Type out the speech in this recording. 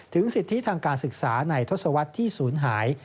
สิทธิทางการศึกษาในทศวรรษที่ศูนย์หาย